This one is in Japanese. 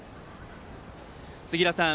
杉浦さん